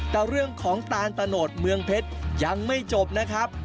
แต่เรื่องของตานตะโนดเมืองเพชรยังไม่จบนะครับ